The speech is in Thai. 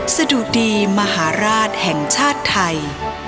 สะดุดีมหาราชแห่งชาติไทย